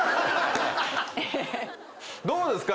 どうですか？